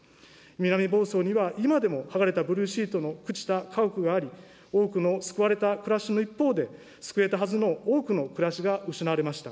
南房総には今でも、剥がれたブルーシートの朽ちた家屋があり、多くの救われた暮らしの一方で、救えたはずの多くの暮らしが失われました。